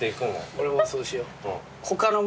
俺もそうしよ。